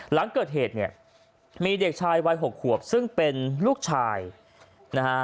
หลังเกิดเหตุเนี่ยมีเด็กชายวัย๖ขวบซึ่งเป็นลูกชายนะฮะ